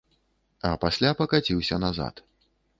А пасля пакаціўся назад.